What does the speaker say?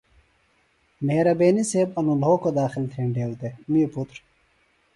مہربینیۡ سیب ـ انوۡ لھوکوۡ داخل تھینڈیوۡ دےۡ می پُتر۔